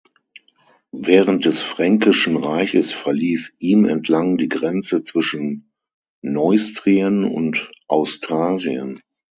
Während des Fränkischen Reiches verlief ihm entlang die Grenze zwischen Neustrien und Austrasien.